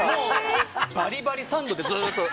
バリバリ３度でずっと。